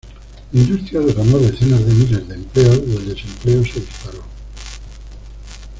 La industria derramó decenas de miles de empleos y el desempleo se disparó.